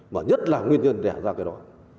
và nhất là nguyên nhân đẻ ra cái đó